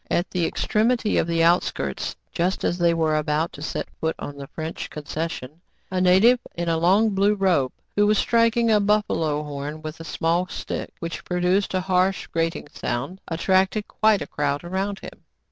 At the extremity of the outskirts, just as they were about to set foot on the French concession, a native in a long blue robe, who was striking a buf falo horn with a small stick, which produced a harsh, grating sound, attracted quite a crowd around him.